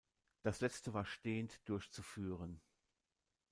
Das letzte war stehend durchzuführen.